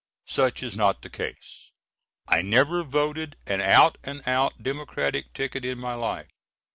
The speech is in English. Such is not the case. I never voted an out and out Democratic ticket in my life.